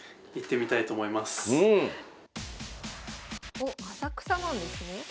おっ浅草なんですね。